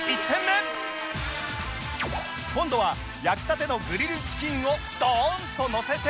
今度は焼きたてのグリルチキンをどーんとのせて